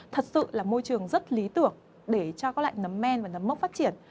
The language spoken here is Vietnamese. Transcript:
thật sự là môi trường rất lý tưởng để cho có lại nấm men và nấm mốc phát triển